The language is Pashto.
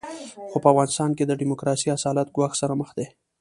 خو په افغانستان کې د ډیموکراسۍ اصالت ګواښ سره مخ دی.